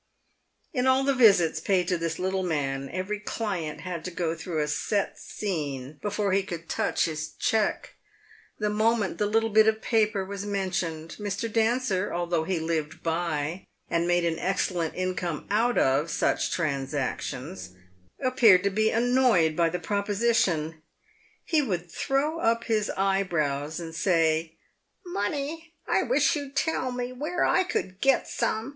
In all the visits paid to this little man, every client had to go through a set scene before he could touch his cheque. The moment the little bit of paper was mentioned, Mr. Dancer, although he lived by, and made an excellent income out of, such transactions, appeared to be annoyed by the proposition. He would throw up his eyebrows and say, " Money ! I wish you'd tell me where I could get some